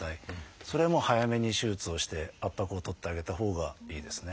それはもう早めに手術をして圧迫を取ってあげたほうがいいですね。